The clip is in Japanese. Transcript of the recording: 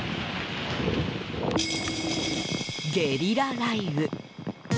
ゲリラ雷雨。